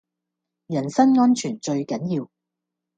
人身安全最緊要